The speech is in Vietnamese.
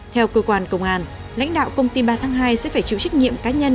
theo cơ quan công an lãnh đạo công ty ba tháng hai sẽ phải chịu trách nhiệm cá nhân